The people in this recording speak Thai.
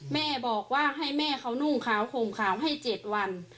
แม่บอกว่าให้แม่เขานุ่งขาวข่มขาวให้๗วัน